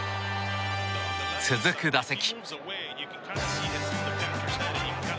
続く打席。